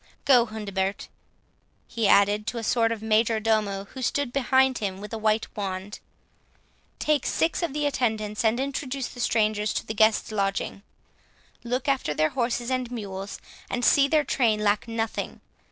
—Go, Hundebert," he added, to a sort of major domo who stood behind him with a white wand; "take six of the attendants, and introduce the strangers to the guests' lodging. Look after their horses and mules, and see their train lack nothing.